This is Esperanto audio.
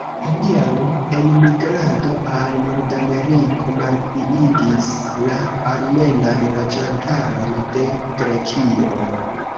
Hodiaŭ, enmigrado al Nordameriko malpliigis la armenan loĝantaron de Grekio.